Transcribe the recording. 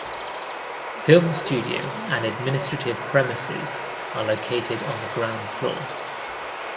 Film studio and administrative premises are located on the ground floor.